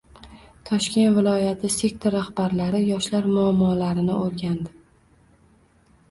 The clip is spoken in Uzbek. Toshkent viloyati sektor rahbarlari yoshlar muammolarini o‘rgandi